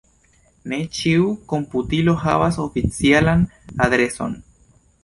Ne ĉiu komputilo havas oficialan adreson.